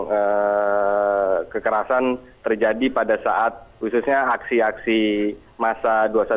karena kekerasan terjadi pada saat khususnya aksi aksi masa dua ratus dua belas